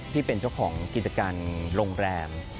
ที่เป็นเจ้าของกิจการโรงแรม